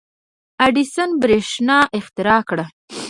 • اډیسن برېښنا اختراع کړه.